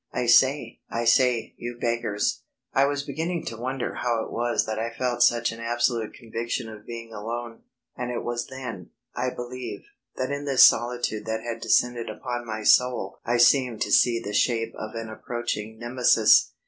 "I say ... I say, you beggars...." I was beginning to wonder how it was that I felt such an absolute conviction of being alone, and it was then, I believe, that in this solitude that had descended upon my soul I seemed to see the shape of an approaching Nemesis.